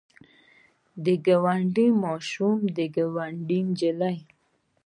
د ګاونډي ماشوم د ګاونډۍ نجلۍ.